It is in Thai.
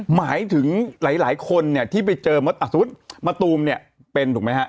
หมายถึงหลายคนที่ไปเจอสมมติมะตูมเป็นถูกไหมครับ